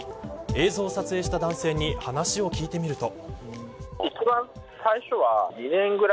映像を撮影した男性に話を聞いてみると。